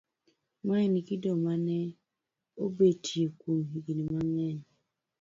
mae en kido mane obetie kuom higni mang'eny